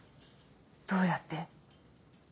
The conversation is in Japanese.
どうやって？